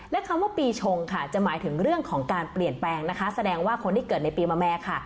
และคำว่าปีชงค่ะจะหมายถึงเรื่องของการเปลี่ยนแปลงนะคะแสดงว่าคนที่เกิดในปีมะแม่ค่ะ